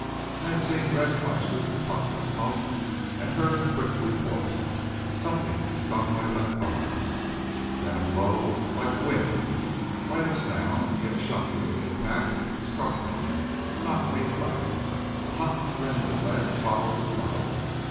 I had seen red flashes, puffs of smoke, had heard quick reports. Something stung my left arm. Then a blow like wind, light of sound yet shocking in impact, struck me, knocked me flat. The hot rend of lead followed the blow.